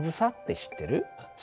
知ってる。